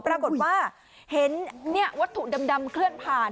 ปรากฏว่าเห็นวัตถุดำเคลื่อนผ่าน